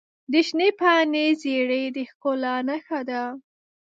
د شنې پاڼې زیرۍ د ښکلا نښه ده.